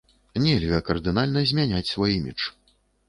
Нельга кардынальна змяняць свой імідж.